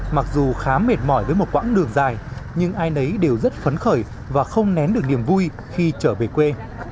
mặc dù khá mệt mỏi với một quãng đường dài nhưng ai nấy đều rất phấn khởi và không nén được niềm vui khi trở về quê